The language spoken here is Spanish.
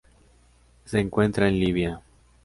Se encuentra en Libia.